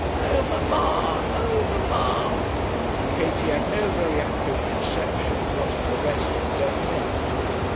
'Oh, mamma! oh, mamma!' Katie had no very accurate conception of what an arrest for debt meant.